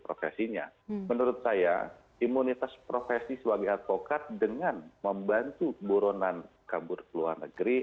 profesinya menurut saya imunitas profesi sebagai advokat dengan membantu buronan kabur ke luar negeri